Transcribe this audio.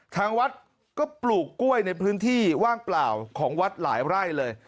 ทางวัดก็ปลูกกล้วยในพื้นที่ว่างเปล่าของวัดหลายไร่เลย